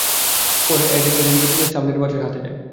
পরে এডেন ইরানের সামানিডি বাদশাদের হাতে যায়।